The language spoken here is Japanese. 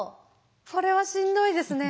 それはしんどいですね。